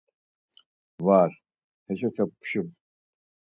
Var heşote pşum.